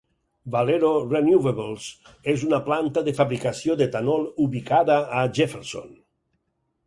Valero Renewables és una planta de fabricació d'etanol ubicada a Jefferson.